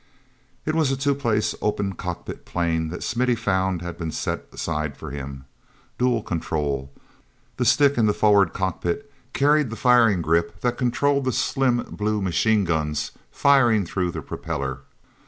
t was a two place, open cockpit plane that Smithy found had been set aside for him. Dual control—the stick in the forward cockpit carried the firing grip that controlled the slim blue machine guns firing through the propeller.